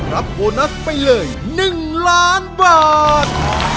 รับโบนัสไปเลย๑ล้านบาท